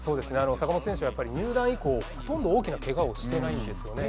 坂本選手は入団以降ほとんどけがをしていないんですね。